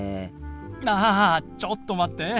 あちょっと待って。